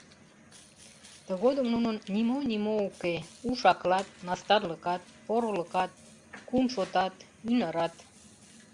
Тыгодым нунын нимо-нимо уке: уш-акылат, мастарлыкат, порылыкат, кун-шотат, ӱнарат.